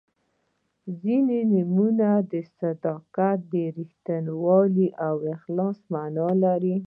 •ځینې نومونه د صداقت، رښتینولۍ او اخلاص معنا لري.